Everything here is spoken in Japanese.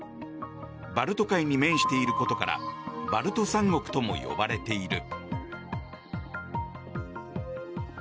バルト海に面していることからバルト三国とも呼ばれている。